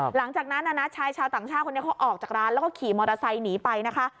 หลังจากนั้นชายชาวต่างชาติคนนี้เขาออกจากร้านแล้วก็ขี่มอเตอร์ไซค์หนีไปนะคะ